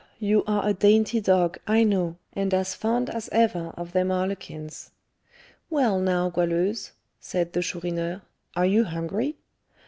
you are a dainty dog, I know, and as fond as ever of them harlequins." "Well, now, Goualeuse," said the Chourineur, "are you hungry?"